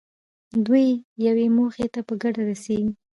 دوی یوې موخې ته په ګډه رسېږي.